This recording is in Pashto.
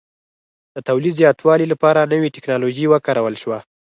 د تولید زیاتوالي لپاره نوې ټکنالوژي وکارول شوه